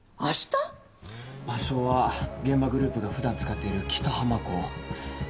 場所は諫間グループがふだん使っている北浜港。